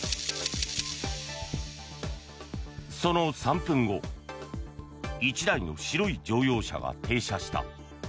その３分後１台の白い乗用車が停車した。